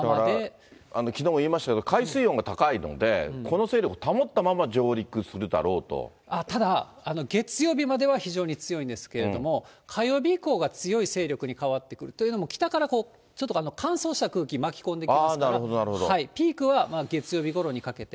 だからきのうも言いましたけど、海水温が高いので、この勢力ただ、月曜日までは非常に強いんですけれども、火曜日以降が強い勢力に変わってくる、というのも、北からちょっと乾燥した空気、巻き込んできますから、ピークは月曜日ごろにかけて。